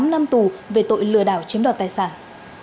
tám năm tù về tội lừa đảo chiếm đoạt tài sản